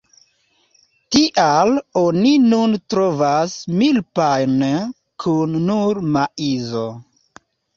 Tial oni nun trovas "milpa"-jn kun nur maizo.